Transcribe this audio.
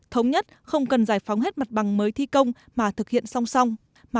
thống nhất không cần giải phóng hết mặt bằng mới thi công mà thực hiện song song